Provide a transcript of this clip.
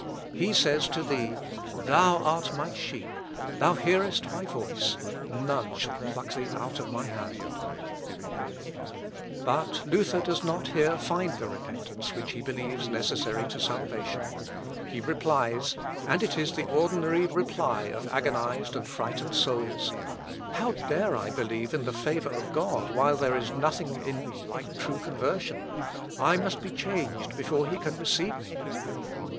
He says to thee, 'Thou art my sheep; thou hearest my voice; none shall pluck thee out of my hand.'" Luth. Op. ii, 264. But Luther does not here find the repentance which he believes necessary to salvation. He replies, and it is the ordinary reply of agonised and frightened souls, "How dare I believe in the favour of God, while there is nothing in me like true conversion? I must be changed before he can receive me."